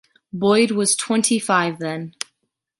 Boyd was twenty-five then.